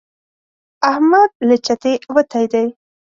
احمد له چتې وتی دی.